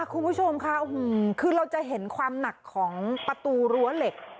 คุณผู้ชมค่ะคือเราจะเห็นความหนักของประตูรั้วเหล็ก